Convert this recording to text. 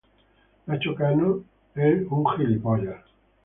Nacho Cano es budista y vegetariano.